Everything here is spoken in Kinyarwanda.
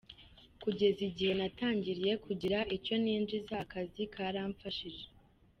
Kugeza igihe natangiriye kugira icyo ninjiza, aka kazi karamfashije.